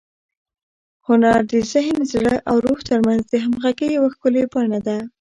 هنر د ذهن، زړه او روح تر منځ د همغږۍ یوه ښکلي بڼه ده.